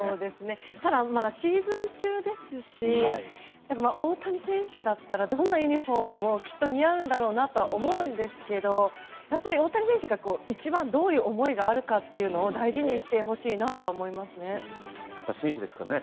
ただ、シーズン中ですし大谷選手だったらどんなユニホームもきっと似合うんだろうなと思うんですけども大谷選手が一番どういう思いがあるかというのを大事にしてほしいと思いますね。